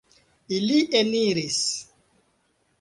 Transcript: Ili eniris.